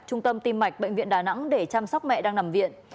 trung tâm tim mạch bệnh viện đà nẵng để chăm sóc mẹ đang nằm viện